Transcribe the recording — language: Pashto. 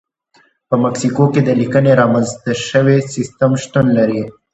په مکسیکو کې د لیکنې رامنځته شوی سیستم شتون لري.